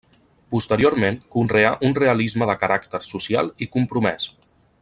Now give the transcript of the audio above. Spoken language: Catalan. Posteriorment conreà un realisme de caràcter social i compromès.